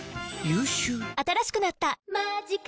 新しくなった「マジカ」